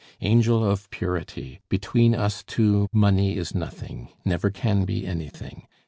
"Angel of purity! between us two money is nothing, never can be anything.